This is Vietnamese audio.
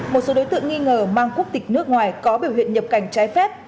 một số đối tượng nghi ngờ mang quốc tịch nước ngoài có biểu hiện nhập cảnh trái phép